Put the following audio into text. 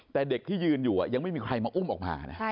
แต่เด็กที่ยืนอยู่ยังไม่มีใครมาอุ้มออกมานะ